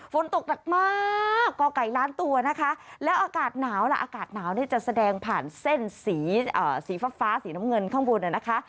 ฝนตกหนักมากก่อไก่ล้านตัวนะคะแล้วอากาศหนาวล่ะอากาศหนาวเนี่ยจะแสดงผ่านเส้นสีฟ้าฟ้าสีน้ำเงินข้างบนนะคะ